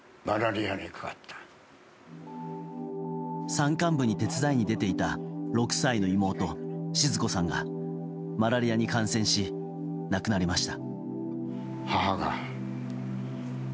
山間部に手伝いに出ていた６歳の妹静子さんがマラリアに感染し亡くなりました。